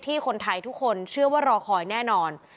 คนไทยทุกคนเชื่อว่ารอคอยแน่นอน